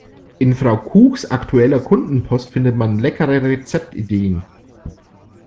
In Frau Kuchs aktueller Kundenpost findet man leckere Rezeptideen.